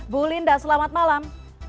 bu linda selamat malam